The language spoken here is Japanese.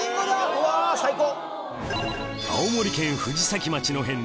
うわ最高！